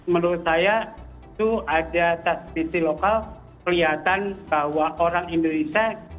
menurut saya itu ada transmisi lokal kelihatan bahwa orang indonesia